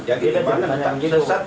jadi bagaimana sesat